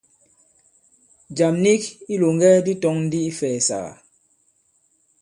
Jàm nik i ilòŋgɛ di tɔ̄ŋ ndi ifɛ̀ɛ̀sàgà.